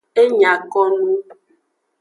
E nya ko nu.